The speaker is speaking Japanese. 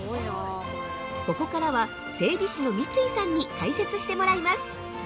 ここからは整備士の三井さんに解説してもらいます。